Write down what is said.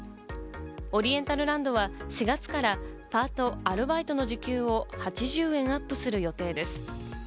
オリエンタルランドは４月からパート・アルバイトの時給を８０円アップする予定です。